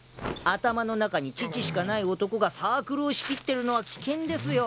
頭の中に乳しかない男がサークルを仕切ってるのは危険ですよ。